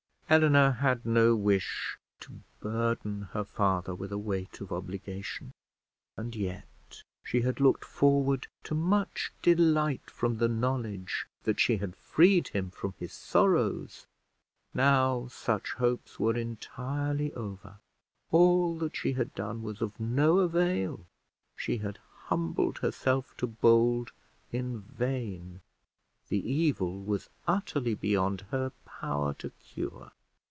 Eleanor had had no wish to burden her father with a weight of obligation, and yet she had looked forward to much delight from the knowledge that she had freed him from his sorrows: now such hopes were entirely over: all that she had done was of no avail; she had humbled herself to Bold in vain; the evil was utterly beyond her power to cure!